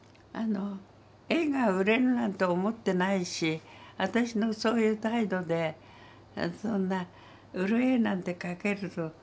絵が売れるなんて思ってないし私のそういう態度でそんな売る絵なんて描けると思ってないから。